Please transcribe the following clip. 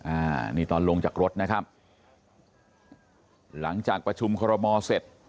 อ่านี่ตอนลงจากรถนะครับหลังจากประชุมคอรมอเสร็จ